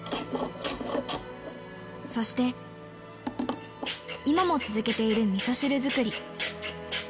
そして、今も続けているみそ汁作り。